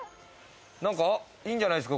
なんかいいんじゃないですか？